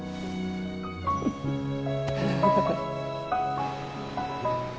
フフフフ。